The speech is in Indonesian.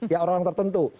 ya orang orang tertentu